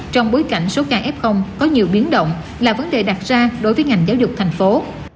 trong bối cảnh số ca f có nhiều biến động là vấn đề đặt ra đối với ngành giáo dục thành phố